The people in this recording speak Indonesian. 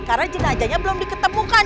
karena jenazahnya belum diketemukan